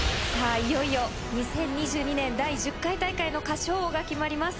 いよいよ２０２２年第１０回大会の歌唱王が決まります。